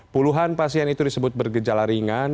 puluhan pasien itu disebut bergejala ringan